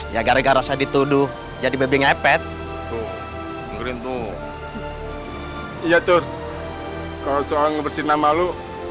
ya gara gara saya dituduh jadi bebek ngepet ngeri itu iya tuh kau seorang bersih nama lu